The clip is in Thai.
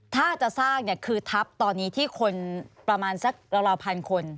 ถ้าจะสร้างเนี่ยคือทัพตอนนี้ที่คนประมาณสักราวพันคน